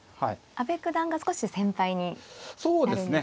阿部九段が少し先輩になるんですよね。